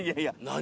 何？